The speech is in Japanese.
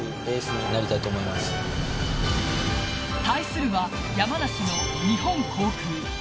対するは山梨の日本航空。